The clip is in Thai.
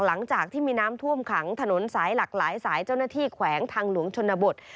หลังจากที่มีน้ำท่วมขังถนนสายหลากหลายสายเจ้าหน้าที่แขวงทางหลวงชนบท